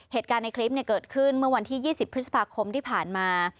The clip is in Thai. เหตุการณ์ในคลิปเกิดขึ้นเมื่อวันที่๒๐พฤษภาคมที่ผ่านมา